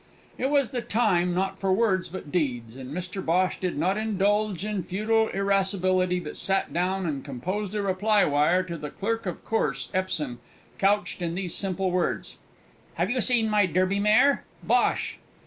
It was the time not for words, but deeds, and Mr Bhosh did not indulge in futile irascibility, but sat down and composed a reply wire to the Clerk of Course, Epsom, couched in these simple words: "Have you seen my Derby mare? BHOSH."